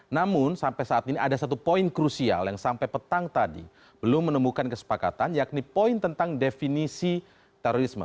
namun sampai saat ini ada satu poin krusial yang sampai petang tadi belum menemukan kesepakatan yakni poin tentang definisi terorisme